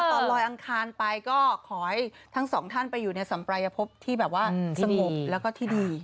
ตอนลอยอังคารไปก็ขอให้ทั้งสองท่านไปอยู่ในสัมปรายภพที่แบบว่าสงบแล้วก็ที่ดี